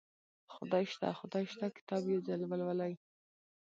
خدای شته خدای شته کتاب یو ځل ولولئ